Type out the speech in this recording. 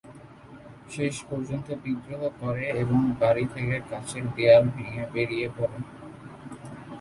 শেষ পর্যন্ত বিদ্রোহ করে এবং বাড়ি থেকে কাঁচের দেয়াল ভেঙ্গে বেড়িয়ে পড়ে।